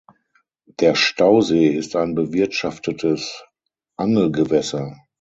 Der Stausee ist ein bewirtschaftetes Angelgewässer.